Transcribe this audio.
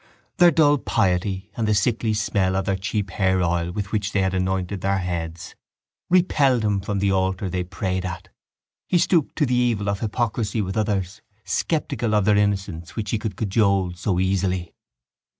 Their dull piety and the sickly smell of the cheap hairoil with which they had anointed their heads repelled him from the altar they prayed at. He stooped to the evil of hypocrisy with others, sceptical of their innocence which he could cajole so easily.